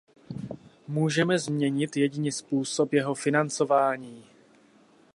Můžeme změnit jedině způsob jeho financování.